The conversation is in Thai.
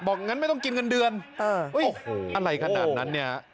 งั้นไม่ต้องกินเงินเดือนโอ้โหอะไรขนาดนั้นเนี่ย